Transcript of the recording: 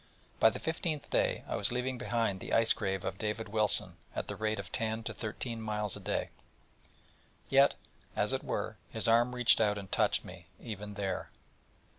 By the fifteenth day I was leaving behind the ice grave of David Wilson at the rate of ten to thirteen miles a day. Yet, as it were, his arm reached out and touched me, even there.